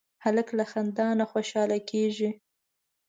هلک له خندا نه خوشحاله کېږي.